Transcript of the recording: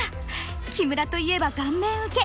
木村といえば顔面受け。